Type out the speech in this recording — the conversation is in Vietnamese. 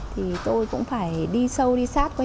thì tôi cũng phải đi sâu đi sát